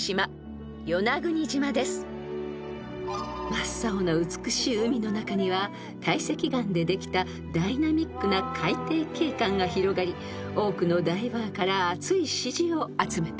［真っ青な美しい海の中には堆積岩でできたダイナミックな海底景観が広がり多くのダイバーから熱い支持を集めています］